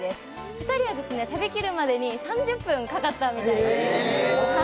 ２人は食べきるまでに３０分かかったんです。